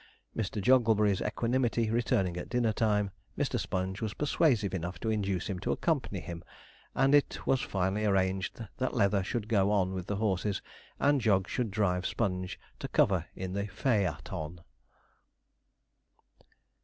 Mr. Jogglebury's equanimity returning at dinner time, Mr. Sponge was persuasive enough to induce him to accompany him, and it was finally arranged that Leather should go on with the horses, and Jog should drive Sponge to cover in the phe a ton.